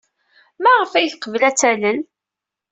Maɣef ay teqbel ad talel?